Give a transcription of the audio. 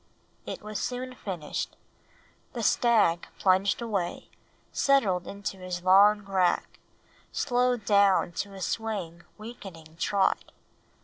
It was soon finished. The stag plunged away, settled into his long rack, slowed down to a swaying, weakening trot.